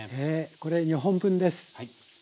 これ２本分です。